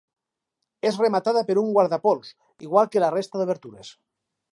És rematada per un guardapols, igual que la resta d'obertures.